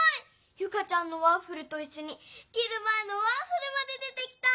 ユカちゃんのワッフルといっしょにきるまえのワッフルまで出てきた！